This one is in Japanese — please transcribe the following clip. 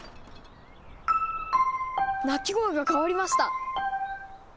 鳴き声が変わりました！